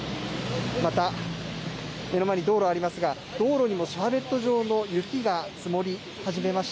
また目の前に道路ありますが道路にもシャーベット状の雪が積もり始めました。